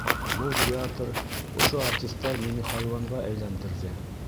Был театр, ошо артистар мине хайуанға әйләндерҙе!..